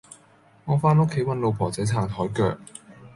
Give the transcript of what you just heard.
我返屋企搵老婆仔撐枱腳